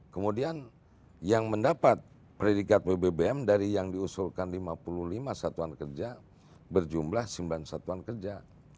kemudian yang mendapat predikat bbbm dari yang diusulkan lima puluh lima satuan kerja berjumlah sembilan satuan kerja